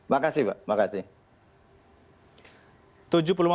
makasih pak makasih